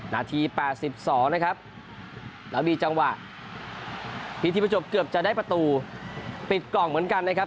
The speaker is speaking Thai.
นาที๘๒นะครับแล้วมีจังหวะพิธีประจบเกือบจะได้ประตูปิดกล่องเหมือนกันนะครับ